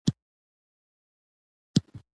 هره جمله نحوي اصول لري.